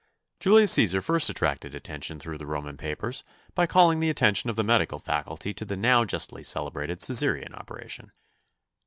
Julius Cæsar first attracted attention through the Roman papers by calling the attention of the medical faculty to the now justly celebrated Cæsarian operation.